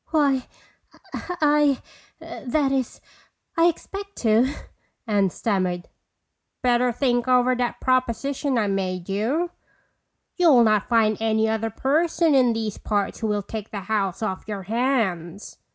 "Why,—I—that is, I expect to," Anne stammered. "Better think over that proposition I made you. You'll not find any other person in these parts who will take the house off your hands.